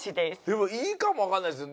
でもいいかもわかんないです。